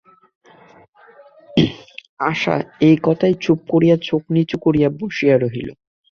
আশা এই কথায় চুপ করিয়া চোখ নিচু করিয়া বসিয়া রহিল।